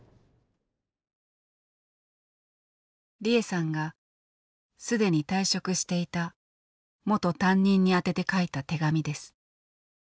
利枝さんが既に退職していた元担任に宛てて書いた手紙です。